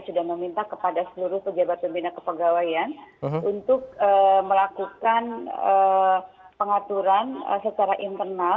sudah meminta kepada seluruh pejabat pembina kepegawaian untuk melakukan pengaturan secara internal